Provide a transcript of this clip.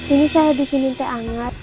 ini saya di siniin teh anget